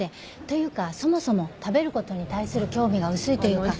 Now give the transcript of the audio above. というかそもそも食べることに対する興味が薄いというか。